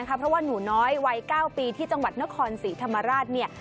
เพราะว่าหนูน้อยวัย๙ปีที่จังหวัดนครศรีธรรมราชเนี่ย